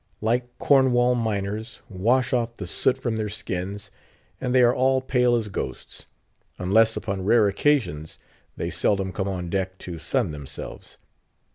Like Cornwall miners, wash off the soot from their skins, and they are all pale as ghosts. Unless upon rare occasions, they seldom come on deck to sun themselves.